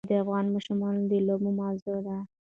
پسه د افغان ماشومانو د لوبو موضوع ده.